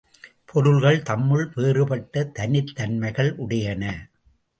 பொருள்கள் தம்முள் வேறுபட்ட தனித்தன்மைகள் உடையன.